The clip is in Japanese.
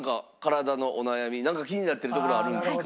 なんか気になってるところあるんですか？